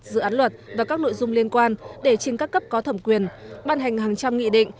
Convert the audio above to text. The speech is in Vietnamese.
dự án luật và các nội dung liên quan để trên các cấp có thẩm quyền ban hành hàng trăm nghị định